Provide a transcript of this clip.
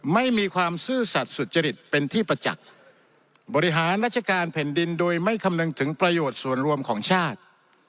ไม่มีความซื่อสัตว์สุจริตเป็นที่ประจักษ์บริหารราชการแผ่นดินโดยไม่คำนึงถึงประโยชน์ส่วนรวมของชาติ